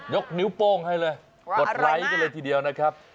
ยกนิ้วโป้งให้เลยกดไลค์กันเลยทีเดียวนะครับ